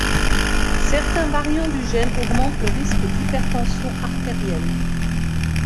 Certains variants du gène augmentent le risque d'hypertension artérielle.